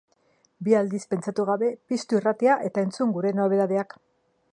Bi aldiz pentsatu gabe, piztu irratia eta entzun gure nobedadeak!